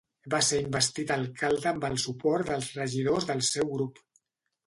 Va ser investit alcalde amb el suport dels regidors del seu grup.